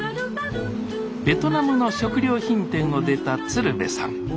ベトナムの食料品店を出た鶴瓶さん。